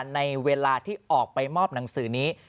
ในเวลาที่ออกไปมอบหนังสือนี้